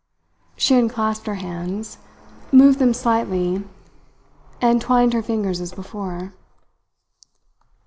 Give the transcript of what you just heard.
She unclasped her hands, moved them slightly, and twined her fingers as before.